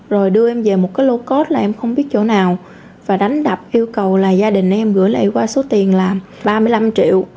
rồi đưa em về một cái lô cốt là em không biết chỗ nào và đánh đập yêu cầu là gia đình em gửi lại qua số tiền là ba mươi năm triệu